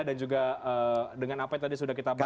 dan juga dengan apa yang tadi sudah kita bahas